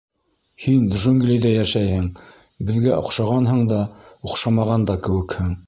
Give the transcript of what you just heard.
— Һин джунглиҙа йәшәйһең, беҙгә оҡшағанһың да, оҡшамаған да кеүекһең.